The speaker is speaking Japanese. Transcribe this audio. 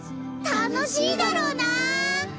楽しいだろうなぁ！